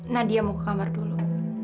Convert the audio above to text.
nadia mau ke kamar dulu